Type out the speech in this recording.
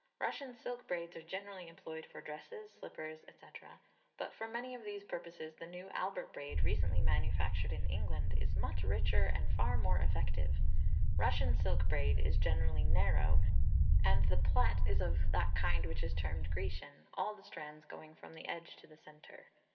Russian silk braids are generally employed for dresses, slippers, &c. but for many of these purposes the new Albert braid recently manufactured in England is much richer and far more effective. Russian silk braid is generally narrow, and the plait is of that kind which is termed Grecian all the strands going from the edge to the centre.